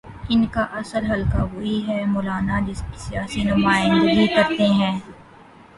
ان کا اصل حلقہ وہی ہے، مولانا جس کی سیاسی نمائندگی کرتے ہیں۔